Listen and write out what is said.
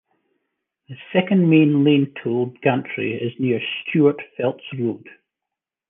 The second main lane toll gantry is near Stewart Feltz Road.